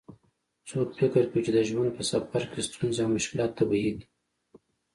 څوک فکر کوي چې د ژوند په سفر کې ستونزې او مشکلات طبیعي دي